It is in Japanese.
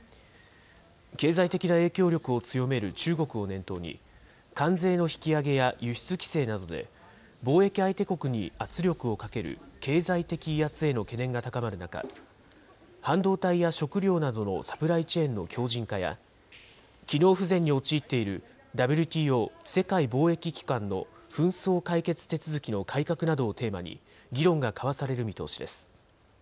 経済的な影響力を強める中国を念頭に、関税の引き上げや輸出規制などで貿易相手国に圧力をかける経済的威圧への懸念が高まる中、半導体や食料などのサプライチェーンの強じん化や、機能不全に陥っているＷＴＯ・世界貿易機関の紛争解決手続きの改革などをテーマに、議論が交わされる見通しです。